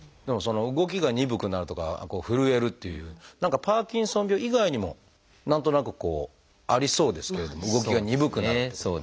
「動きが鈍くなる」とか「ふるえる」っていう何かパーキンソン病以外にも何となくこうありそうですけれども動きが鈍くなるってことは。